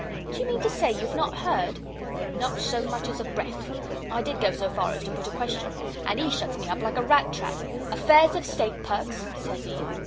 "Do you mean to say you've not heard?" "Not so much as a breath. I did go so far as to put a question. And he shuts me up like a rat trap. 'Affairs of State, Perks,' says he.